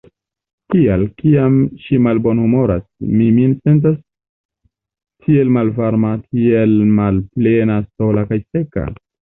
Kial, kiam ŝi malbonhumoras, mi min sentas tiel malvarma, tiel malplena, sola kaj seka?